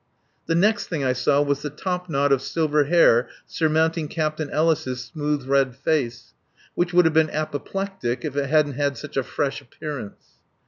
The next thing I saw was the top knot of silver hair surmounting Captain Ellis' smooth red face, which would have been apoplectic if it hadn't had such a fresh appearance.